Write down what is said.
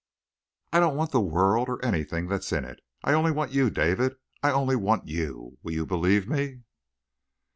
I don't want the world or anything that's in it. I only want you. David I only want you! Will you believe me?"